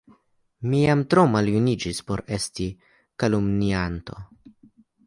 mi jam tro maljuniĝis por esti kalumnianto!